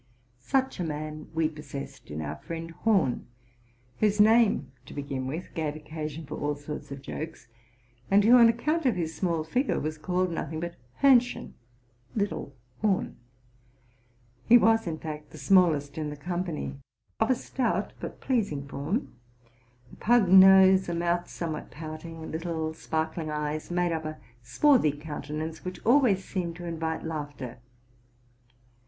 Such a man we possessed in our frie nd Horn, whose name, to begin with, gave occasion for all sorts of jokes, and who, on account of his small figure, was called nothing but Horn chen (little Horn). Ie was, in fact, the smallest in the com pany, of a stout but pleasing form; a pug nose, a moutl) 196 TRUTH AND FICTION somewhat pouting, little sparkling eyes, made up a swarthy countenance which always seemed to invite laughter.